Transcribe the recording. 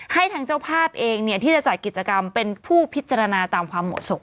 ให้ทางเจ้าภาพเองที่จะจัดกิจกรรมเป็นผู้พิจารณาตามความเหมาะสม